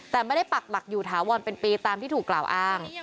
แต่ไม่ได้ปักหลักอยู่ถาวรเป็นปีตามที่ถูกกล่าวอ้าง